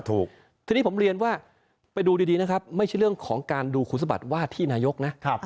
ถูกทีนี้ผมเรียนว่าไปดูดีนะครับไม่ใช่เรื่องของการดูคุณสมบัติว่าที่นายกนะ